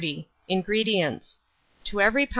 INGREDIENTS. To every lb.